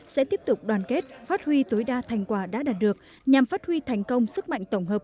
sẽ tiếp tục đoàn kết phát huy tối đa thành quả đã đạt được nhằm phát huy thành công sức mạnh tổng hợp